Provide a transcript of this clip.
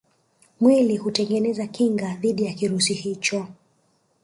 Mwili hutengeneza kinga dhidi ya kirusi hicho